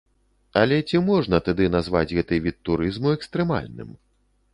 Але ці можна тады назваць гэты від турызму экстрэмальным?